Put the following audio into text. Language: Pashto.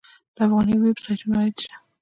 د افغاني ویب سایټونو عاید شته؟